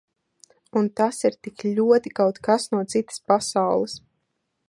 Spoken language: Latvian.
Un tas ir tik ļoti kaut kas no citas pasaules.